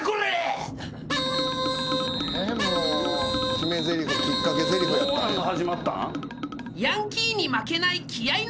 決めぜりふきっかけぜりふやった。